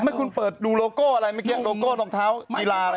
ไม่คุณเปิดดูโลโก้อะไรเมื่อกี้โลโก้รองเท้ากีฬาอะไร